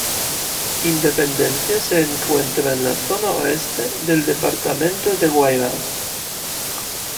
Independencia se encuentra en la zona oeste del departamento de Guairá.